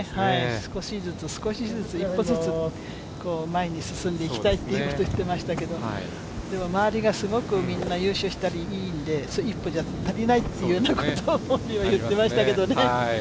少しずつ少しずつ、一歩ずつ前に進んでいきたいと言ってましたけど周りがすごくみんなが優勝したり、いいので一歩じゃ足りないっていうようなことを本人は言っていましたけどね。